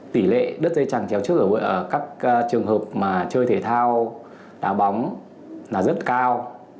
tỷ lệ đất dây chẳng chéo trước ở các trường hợp chơi thể thao đá bóng là rất cao